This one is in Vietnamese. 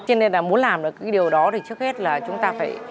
cho nên là muốn làm được cái điều đó thì trước hết là chúng ta phải